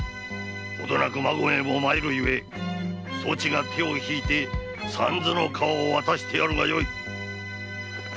ほどなく孫兵衛も参るゆえそちが手を引いて三途の川を渡してやるがよい。